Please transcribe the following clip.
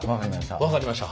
分かりました。